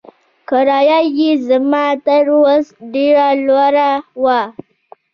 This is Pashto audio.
کرايه يې زما تر وس ډېره لوړه وه.